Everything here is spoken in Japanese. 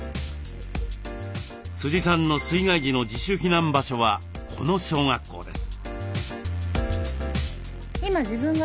さんの水害時の自主避難場所はこの小学校です。